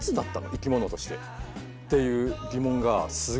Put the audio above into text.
生き物としてっていう疑問がすごく湧いて。